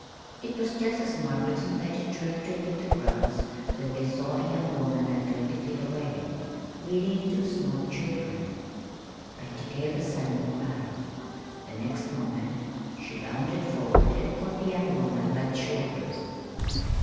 It was just as Margaret and Patty turned to leave the grounds that they saw a young woman not twenty feet away, leading two small children. Patty gave a sudden cry. The next moment she bounded forward and caught the young woman by the shoulders.